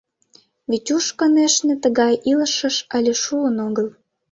Витюш, конешне, тыгай илышыш але шуын огыл.